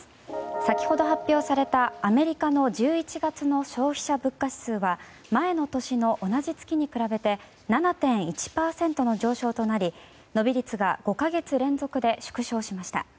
先ほど発表された、アメリカの１１月の消費者物価指数は前の年の同じ月に比べて７．１％の上昇となり伸び率が５か月連続で縮小しました。